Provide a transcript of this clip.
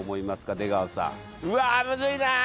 出川さんうわムズいな